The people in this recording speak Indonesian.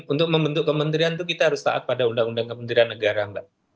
untuk membentuk kementerian itu kita harus taat pada undang undang kementerian negara mbak